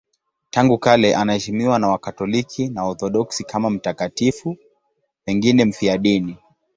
Tangu kale anaheshimiwa na Wakatoliki na Waorthodoksi kama mtakatifu, pengine mfiadini.